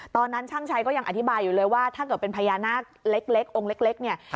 ตอนนั้นช่างชัยก็ยังอธิบายอยู่เลยว่าถ้าเกิดเป็นพญานาคเล็กองค์เล็กเนี่ย